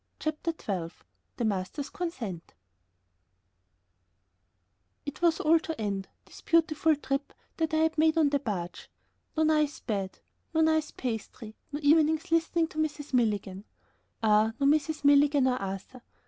CHAPTER XII THE MASTER'S CONSENT It was all to end, this beautiful trip that I had made on the barge. No nice bed, no nice pastry, no evenings listening to Mrs. Milligan. Ah! no Mrs. Milligan or Arthur!